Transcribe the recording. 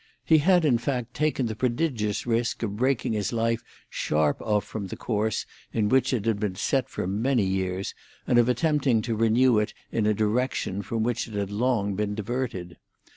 He had, in fact, taken the prodigious risk of breaking his life sharp off from the course in which it had been set for many years, and of attempting to renew it in a direction from which it had long been diverted.